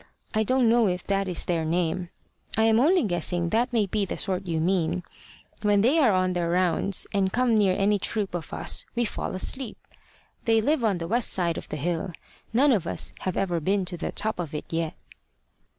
I don't know if that is their name; I am only guessing that may be the sort you mean when they are on their rounds and come near any troop of us we fall asleep. They live on the west side of the hill. None of us have ever been to the top of it yet."